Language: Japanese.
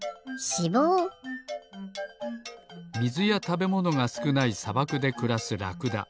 みずやたべものがすくないさばくでくらすラクダ。